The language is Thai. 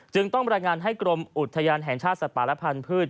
จึงต้องบรรยายงานให้กรมอุทยานแห่งชาติสปารพันธ์พืช